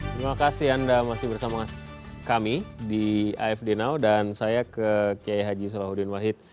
terima kasih anda masih bersama kami di afd now dan saya ke kiai haji salahuddin wahid